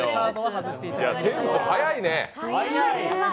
テンポ速いね。